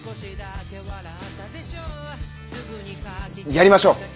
やりましょう！